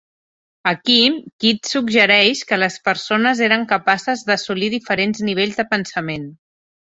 Aquí, Keats suggereix que les persones eren capaces d'assolir diferents nivells de pensament.